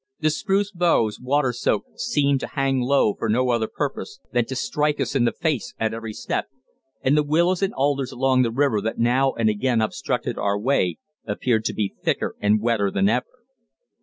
The spruce boughs, watersoaked, seemed to hang low for no other purpose than to strike us in the face at every step, and the willows and alders along the river that now and again obstructed our way appeared to be thicker and wetter than ever.